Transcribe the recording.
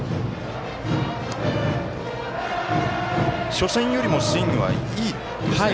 初戦よりもスイングがいいですか？